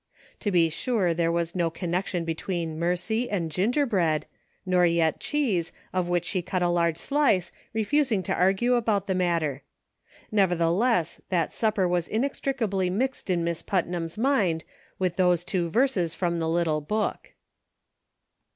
To be sure there was no connection be tween " mercy " and gingerbread, nor yet cheese/ of which she cut a large slice, refusing to argue about the matter ; nevertheless, that supper was inextricably mixed in Miss Putnam's mind with those two verses from the little book.